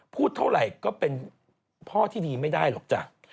พูดเท่าไหร่ก็เป็นพ่อที่ดีไม่ได้หรอกจ้ะ